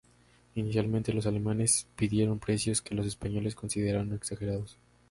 Inicialmente los alemanes pidieron precios que los españoles consideraron exagerados.